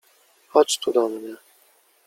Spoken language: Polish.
— Chodź tu do mnie.